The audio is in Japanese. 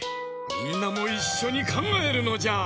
みんなもいっしょにかんがえるのじゃ！